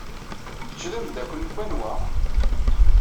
Kečč d ameddakel n wanwa?